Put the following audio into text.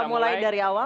kita mulai dari awal